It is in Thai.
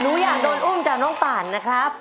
หนูอยากโดนอุ้มจากน้องป่านนะครับ